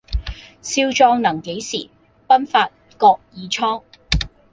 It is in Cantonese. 少壯能几時，鬢發各已蒼。